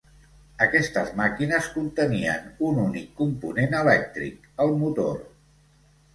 Aquestes màquines contenien un únic component elèctric, el motor.